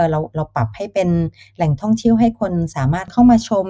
เราปรับให้เป็นแหล่งท่องเที่ยวให้คนสามารถเข้ามาชม